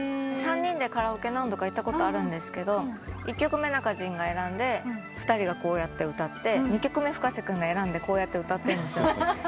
３人でカラオケ何度か行ったことあるんですけど１曲目Ｎａｋａｊｉｎが選んで２人がこうやって歌って２曲目Ｆｕｋａｓｅ君が選んでこうやって歌ってんですよ。